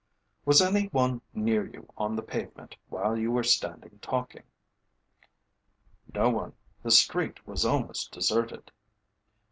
"Was any one near you on the pavement while you were standing talking?" "No one, the street was almost deserted."